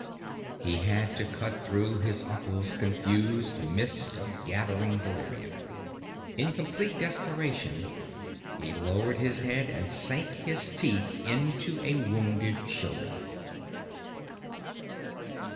_" He had to cut through his uncle's confused mist of gathering delirium. In complete desperation, he lowered his head and sank his teeth into a wounded shoulder.